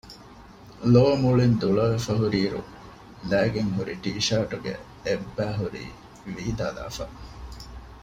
ލޯ މުޅިން ދުޅަވެފަ ހުރި އިރު ލައިގެން ހުރި ޓީޝާޓުގެ އެއްބައި ހުރީ ވީދާލާފަ